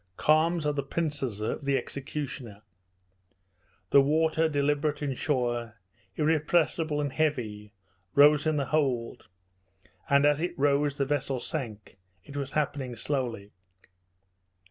Calms are the pincers of the executioner. The water, deliberate and sure, irrepressible and heavy, rose in the hold, and as it rose the vessel sank it was happening slowly.